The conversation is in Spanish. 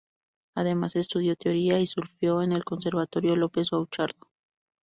Además estudió teoría y solfeo en el Conservatorio López Buchardo.